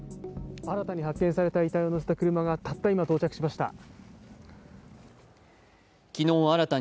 新たに発見された遺体を乗せた車がたった今到着しました。